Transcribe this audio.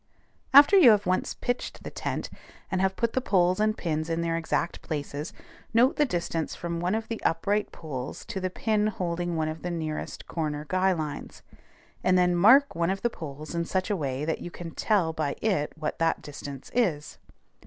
After you have once pitched the tent, and have put the poles and pins in their exact places, note the distance from one of the upright poles to the pin holding one of the nearest corner guy lines, and then mark one of the poles in such a way that you can tell by it what that distance is.